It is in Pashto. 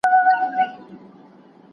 ټول محنت د سړي دغه بلا اوخوري